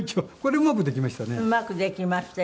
うまくできましたよ。